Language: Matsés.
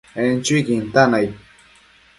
En chuiquin tan aid